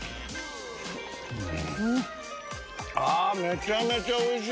あめちゃめちゃおいしい！